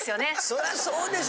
そらそうでしょ。